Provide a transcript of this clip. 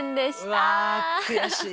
うわ悔しい。